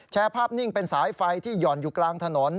ภาพนิ่งเป็นสายไฟที่หย่อนอยู่กลางถนน